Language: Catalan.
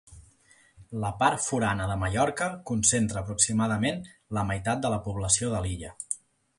La Part Forana de Mallorca concentra aproximadament la meitat de la població de l'illa.